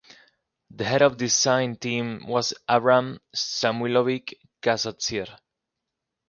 The head of the design team was Abram Samuilovich Kassatsier.